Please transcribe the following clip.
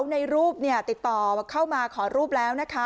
แล้วในรูปเนี่ยติดต่อเข้ามาขอรูปแล้วนะคะ